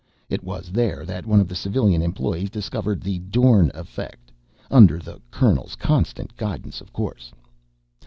It was there that one of the civilian employees discovered the Dorn effect under the Colonel's constant guidance, of course.